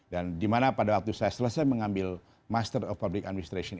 dan dimana pada waktu saya selesai mengambil master of public administration